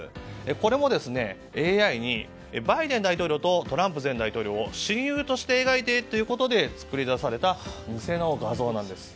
これもＡＩに、バイデン大統領とトランプ前大統領を親友として描いてということで作り出された偽の画像なんです。